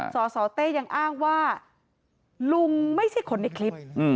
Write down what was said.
สสเต้ยังอ้างว่าลุงไม่ใช่คนในคลิป